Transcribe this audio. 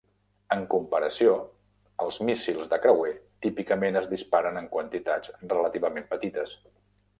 En comparació, els míssils de creuer típicament es disparen en quantitats relativament petites.